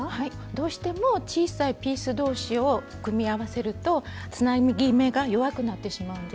どうしても小さいピースどうしを組み合わせるとつなぎ目が弱くなってしまうんですね。